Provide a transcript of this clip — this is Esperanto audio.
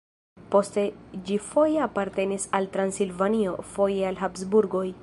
Poste ĝi foje apartenis al Transilvanio, foje al Habsburgoj.